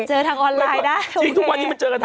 เจอทางออนไลน์ได้โอเค